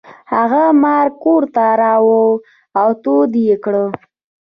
هغه مار کور ته راوړ او تود یې کړ.